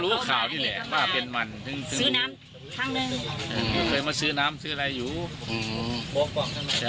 รู้ข่าวที่แหละว่าเป็นมันซื้อน้ำซื้อน้ำซื้ออะไรอยู่แต่